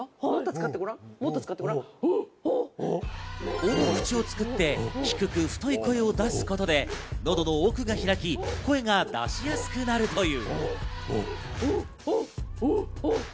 「オ」の口を作って、低く太い声を出すことで、喉の奥が開き声が出しやすくなるという。